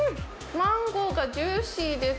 マンゴーがジューシーです。